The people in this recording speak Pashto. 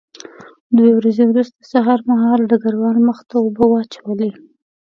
دوه ورځې وروسته سهار مهال ډګروال مخ ته اوبه واچولې